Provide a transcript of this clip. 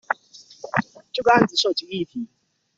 這個案子涉及議題